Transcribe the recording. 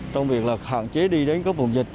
trong việc là hạn chế đi đến các vùng dịch